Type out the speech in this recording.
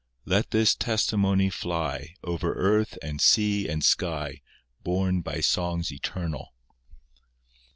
Let this testimony fly Over earth, and sea, and sky, Borne by songs eternal.